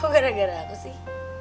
kok gara gara aku sih